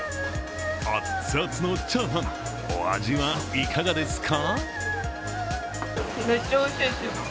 あっつあつのチャーハン、お味はいかがですか？